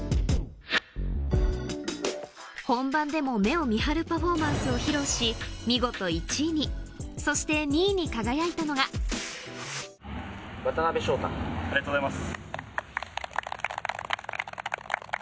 本番でも目を見張るパフォーマンスを披露し見事１位にそして２位に輝いたのがありがとうございます。